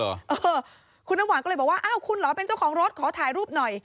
เออคุณน้ำหวานก็เลยบอกว่าอ้าวคุณเหรอเป็นเจ้าของรถขอถ่ายรูปหน่อย